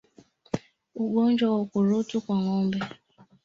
Ugonjwa wa ukurutu kwa ngombe